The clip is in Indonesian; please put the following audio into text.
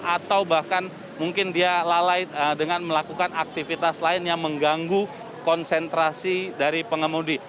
atau bahkan mungkin dia lalai dengan melakukan aktivitas lain yang mengganggu konsentrasi dari pengemudi